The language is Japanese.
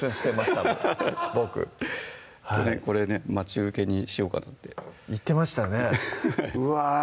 たぶん僕去年これね待ち受けにしようかなって言ってましたねうわ